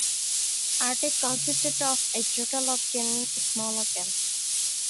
Artek consisted of a total of ten smaller camps.